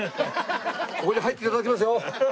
ここに入って頂きますよ！